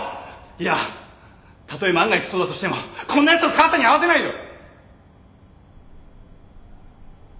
いやたとえ万が一そうだとしてもこんなやつを母さんに会わせないよ！